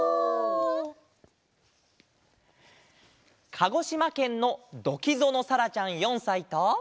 かごしまけんのどきぞのさらちゃん４さいと。